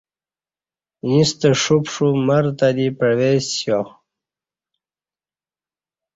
ییں ستہ ݜوپݜو مر تہ دی پعوئسیا